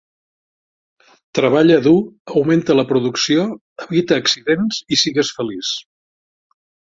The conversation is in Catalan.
Treballa dur, augmenta la producció, evita accidents i sigues feliç.